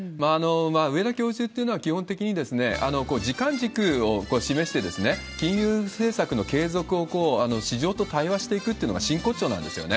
植田教授っていうのは、基本的に時間軸を示して、金融政策の継続を市場と対話していくっていうのが真骨頂なんですよね。